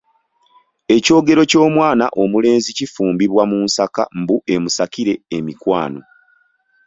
Ekyogero ky'omwana omulenzi kifumbibwa mu nsaka mbu emusakire emikwano.